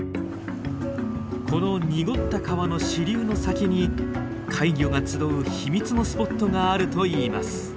この濁った川の支流の先に怪魚が集う秘密のスポットがあるといいます。